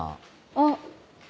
あっ。